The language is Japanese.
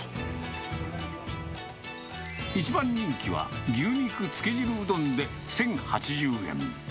一番人気は、牛肉つけ汁うどんで１０８０円。